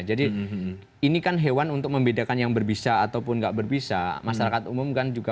jadi ini kan hewan untuk membedakan yang berbisa ataupun tidak berbisa masyarakat umum kan juga